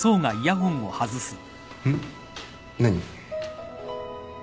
何？